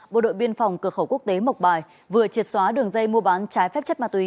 bộ đội biên phòng cửa khẩu quốc tế mộc bài vừa triệt xóa đường dây mua bán trái phép chất ma túy